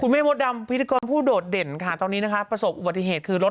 แม่มดดำพิธีกรผู้โดดเด่นค่ะตอนนี้นะคะประสบอุบัติเหตุคือรถ